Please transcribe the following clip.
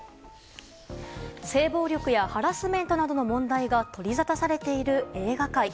性暴力やハラスメントなどの問題が取りざたされている映画界。